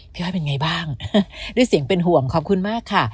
อ้อยเป็นไงบ้างด้วยเสียงเป็นห่วงขอบคุณมากค่ะ